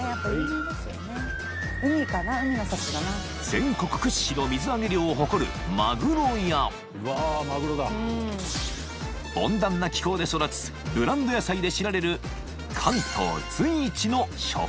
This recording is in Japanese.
［全国屈指の水揚げ量を誇るマグロや温暖な気候で育つブランド野菜で知られる］